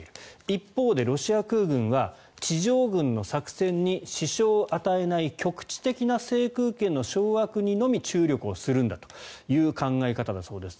一方で、ロシア空軍は地上軍の作戦に支障を与えない局地的な制空権の掌握にのみ注力するんだという考え方だそうです。